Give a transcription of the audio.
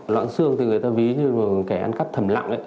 loạn xương thì người ta ví như một kẻ ăn cắp thầm lặng ấy